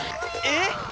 えっ！